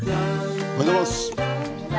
おはようございます。